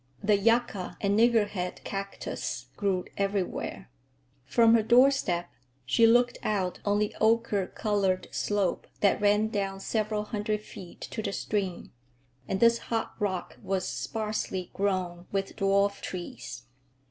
The yucca and niggerhead cactus grew everywhere. From her doorstep she looked out on the ocher colored slope that ran down several hundred feet to the stream, and this hot rock was sparsely grown with dwarf trees.